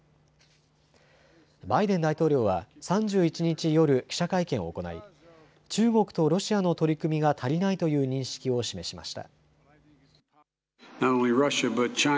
バイデン大統領は３１日夜、記者会見を行い中国とロシアの取り組みが足りないという認識を示しました。